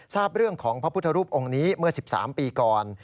ทราบเรื่องของพระพุทธรูปองค์นี้เมื่อ๑๓ปีก่อน